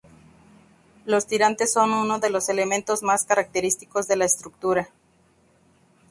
Los tirantes son unos de los elementos más característicos de la estructura.